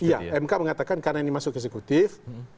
iya mk mengatakan karena ini masuk ke eksekutif